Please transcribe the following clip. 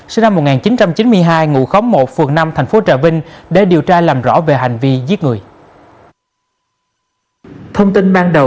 sinh năm một nghìn chín trăm chín mươi hai ngụ khóm một phường năm thành phố trà vinh để điều tra làm rõ về hành vi giết người